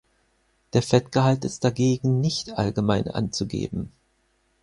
Der Fettgehalt ist dagegen nicht allgemein anzugeben.